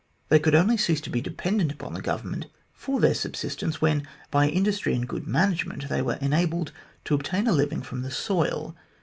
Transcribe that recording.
They could only cease to be dependent upon the Government for their subsistence when, by industry and good management, they were enabled to obtain a living from the soil.